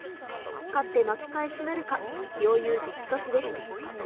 勝って巻き返しなるか、両雄激突です。